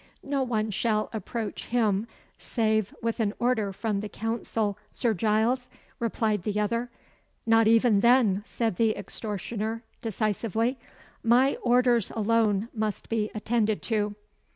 "No one shall approach him save with an order from the Council, Sir Giles," replied the other. "Not even then," said the extortioner decisively. "My orders alone must be attended to!"